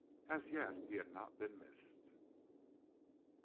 As yet he had not been missed.